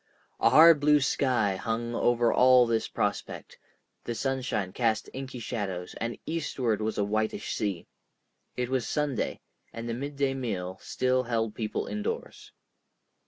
A hard blue sky hung over all this prospect, the sunshine cast inky shadows, and eastward was a whitish sea. It was Sunday, and the midday meal still held people indoors.